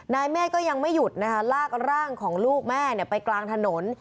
นายเมฆก็ยังไม่หยุดนะคะลากร่างของลูกแม่ไปกลางถนน